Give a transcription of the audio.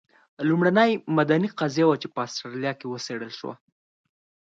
لومړنۍ مدني قضیه وه چې په اسټرالیا کې وڅېړل شوه.